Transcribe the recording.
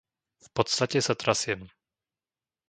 V podstate sa trasiem.